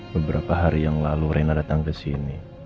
beberapa hari yang lalu rena datang kesini